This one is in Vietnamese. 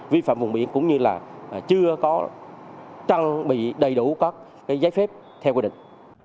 vi phạm vùng biển cũng như là chưa có trang bị đầy đủ các giấy phép theo quy định